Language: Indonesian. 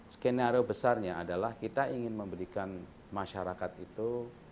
skenario besarnya adalah kita ingin memberikan masyarakat itu